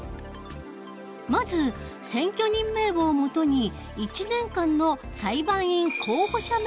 まず選挙人名簿を基に一年間の裁判員候補者名簿が作られる。